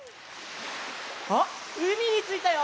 あっうみについたよ！